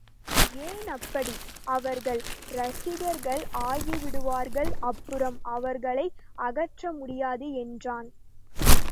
ஏன் அப்படி? அவர்கள் ரசிகர்கள் ஆகிவிடுவார்கள் அப்புறம் அவர்களை அகற்ற முடியாது என்றான்.